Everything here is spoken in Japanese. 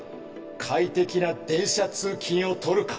快適な電車通勤を取るか？